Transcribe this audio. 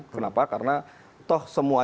kenapa karena toh semua